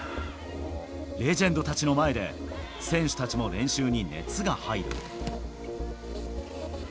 レジェンドたちの前で、選手たちも練習に熱が入る。